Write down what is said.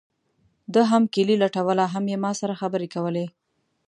ده هم کیلي لټوله هم یې ما سره خبرې کولې.